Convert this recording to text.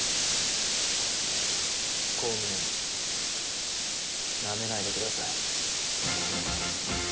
公務員ナメないでください。